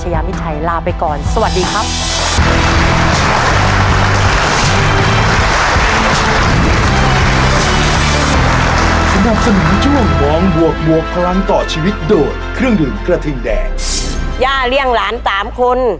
อย่าเลี่ยงหลานตามคน